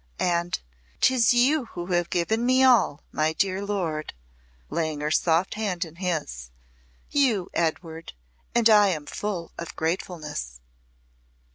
And 'tis you who have given me all, my dear lord," laying her soft hand in his. "You, Edward, and I am full of gratefulness."